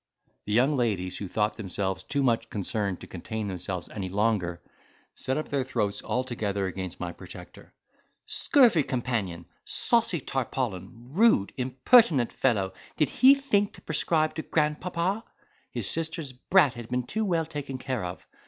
The young ladies, who thought themselves too much concerned to contain themselves any longer, set up their throats all together against my protector—"Scurvy companion—saucy tarpaulin—rude, impertinent fellow, did he think to prescribe to grandpapa? His sister's brat had been too well taken care of.